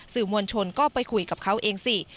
สื่อมวลชนก็ไปคุยกับเขาเองสิ